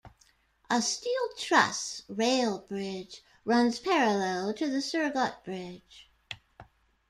A steel truss rail bridge runs parallel to the Surgut Bridge.